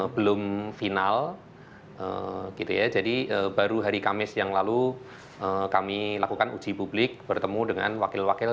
belum final gitu ya jadi baru hari kamis yang lalu kami lakukan uji publik bertemu dengan wakil wakil